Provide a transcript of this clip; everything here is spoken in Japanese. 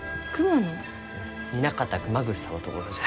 南方熊楠さんのところじゃ。